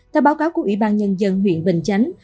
theo báo cáo của ủy ban nhân dân huyện bình chánh